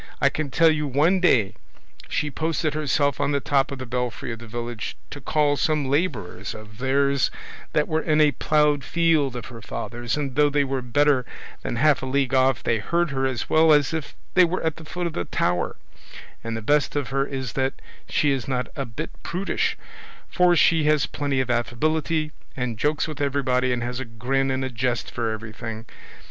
I can tell you one day she posted herself on the top of the belfry of the village to call some labourers of theirs that were in a ploughed field of her father's, and though they were better than half a league off they heard her as well as if they were at the foot of the tower; and the best of her is that she is not a bit prudish, for she has plenty of affability, and jokes with everybody, and has a grin and a jest for everything.